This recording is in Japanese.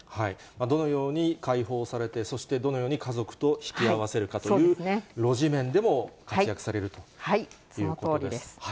どのように解放されて、そしてどのように家族と引き合わせるかというロジ面でも活躍されそのとおりです。